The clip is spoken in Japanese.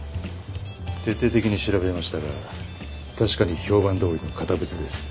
徹底的に調べましたが確かに評判どおりの堅物です。